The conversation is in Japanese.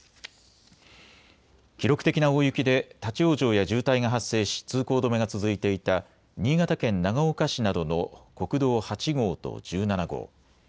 記録的な大雪で立往生や渋滞が発生し通行止めが続いていた新潟県長岡市などの国道８号と１７号。